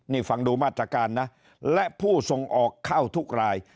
นี่ฟังดูมาตรการนะและผู้ส่งออกเข้าทุกราย